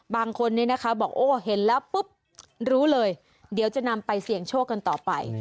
บางคนนี้นะคะบอกโอ้เห็นแล้วปุ๊บรู้เลยเดี๋ยวจะนำไปเสี่ยงโชคกันต่อไป